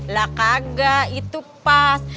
lah kagak itu pas